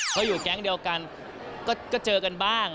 เขาอยู่แก๊งเดียวกันก็เจอกันบ้าง